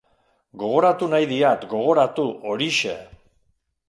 Gogoratu nahi diat, gogoratu, horixe!